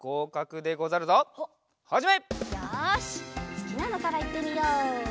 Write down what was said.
すきなのからいってみよう。